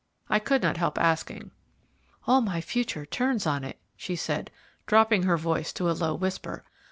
I could not help asking. "All my future turns on it," she said, dropping her voice to a low whisper.